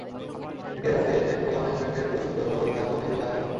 এটি এড়াতে ল্যাকটোক্যালামাইন ব্র্যান্ডের লোশন ব্যবহার করে তার ওপর মেহেদি লাগাতে পারেন।